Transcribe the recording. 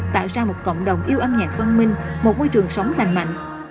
tạo ra một cộng đồng yêu âm nhạc văn minh một môi trường sống lành mạnh